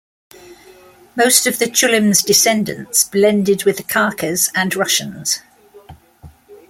Most of the Chulyms' descendants blended with the Khakas and Russians.